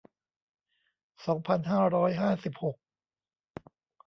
สองพันห้าร้อยห้าสิบหก